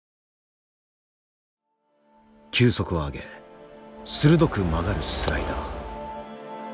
球速を上げ鋭く曲がるスライダー。